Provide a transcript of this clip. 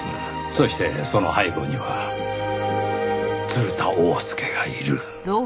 そしてその背後には鶴田翁助がいる。